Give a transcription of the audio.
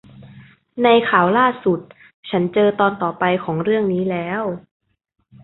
ในข่าวล่าสุด ฉันเจอตอนต่อไปของเรื่องนี้แล้ว